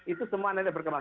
itu semua nanti berkembang